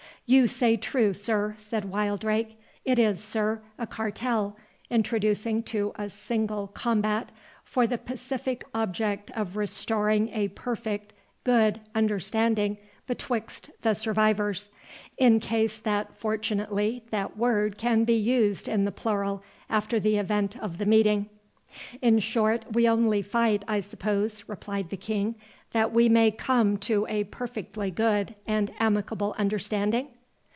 "You say true, sir," said Wildrake; "it is, sir, a cartel, introducing to a single combat, for the pacific object of restoring a perfect good understanding betwixt the survivors—in case that fortunately that word can be used in the plural after the event of the meeting." "In short, we only fight, I suppose," replied the King, "that we may come to a perfectly good and amicable understanding?"